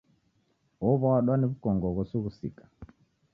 Owadwa ni wukongo ghosughusika.